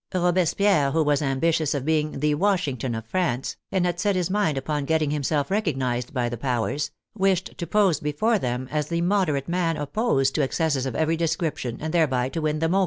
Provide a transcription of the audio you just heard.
Robespierre, who was ambitious of being the Washington of France, and had set his mind upon getting himself recognized by the powers, wished to pose before them as the moderate man opposed to ex cesses of every description, and thereby to win them over.